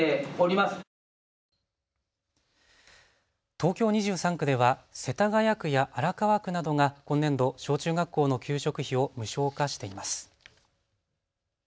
東京２３区では世田谷区や荒川区などが今年度、小中学校の給食費を無償化しています。